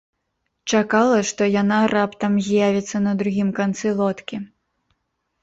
Чакала, што яна раптам з'явіцца на другім канцы лодкі.